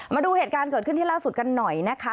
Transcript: มาดูเหตุการณ์เกิดขึ้นที่ล่าสุดกันหน่อยนะคะ